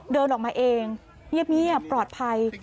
เดินออกมาเองเงียบปลอดภัย